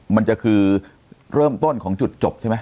มันจะคือเริ่มต้นของจุดจบใช่ไหม